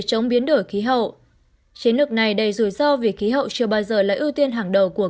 chống biến đổi khí hậu chiến lược này đầy rủi ro vì khí hậu chưa bao giờ là ưu tiên hàng đầu của